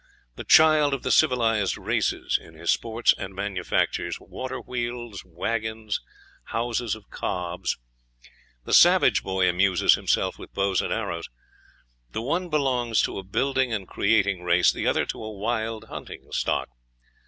The child of the civilized races in his sports manufactures water wheels, wagons, and houses of cobs; the savage boy amuses himself with bows and arrows: the one belongs to a building and creating race; the other to a wild, hunting stock.